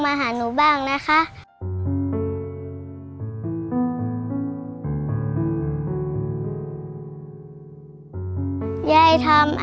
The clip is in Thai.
บางทีหนูก็จะพิมพ์ไปหาพ่อว่าทำไมพ่อไม่มาหาพ่อก็จะบอกว่าติดหุ้นละค่ะ